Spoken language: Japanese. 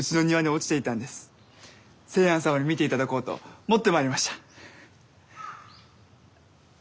清庵様に見ていただこうと持って参りました。